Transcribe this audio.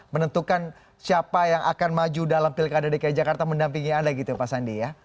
menentukan siapa yang akan maju dalam pilkada dki jakarta mendampingi anda gitu pak sandi ya